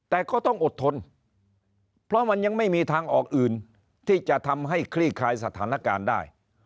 แต่ก็ต้องอดทนเพราะมันยังไม่มีทางออกอื่นที่จะทำให้คลี่คลายสถานการณ์ได้